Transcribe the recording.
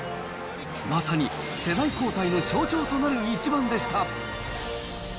まさに世代交代の象徴となる一番でした。